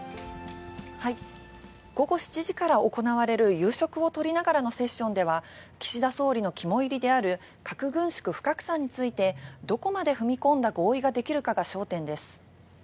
午後７時から行われる夕食をとりながらのセッションでは、岸田総理の肝いりである核軍縮・不拡散について、どこまで踏み込んだ合意ができるかが焦点です。